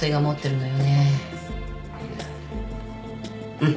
うん。